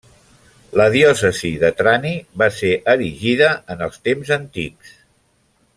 La diòcesi de Trani va ser erigida en els temps antics.